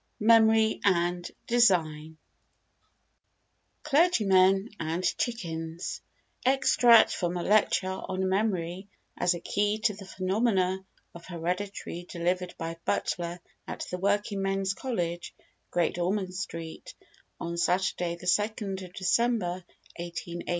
IV Memory and Design Clergymen and Chickens [Extract from a lecture On Memory as a Key to the Phenomena of Heredity delivered by Butler at the Working Men's College, Great Ormond Street, on Saturday, 2_nd_ December, 1882.